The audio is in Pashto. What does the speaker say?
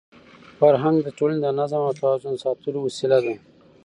فرهنګ د ټولني د نظم او توازن ساتلو وسیله ده.